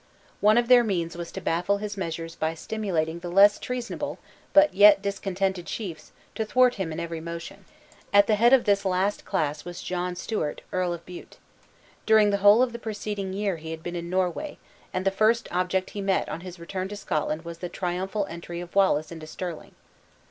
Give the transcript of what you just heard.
One of their means was to baffle his measures by stimulating the less treasonable but yet discontented chiefs to thwart him in every motion. At the head of this last class was John Stewart, Earl of Bute. During the whole of the preceding year he had been in Norway, and the first object he met on his return to Scotland was the triumphal entry of Wallace into Stirling.